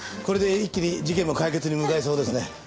これで一気に事件も解決に向かいそうですね。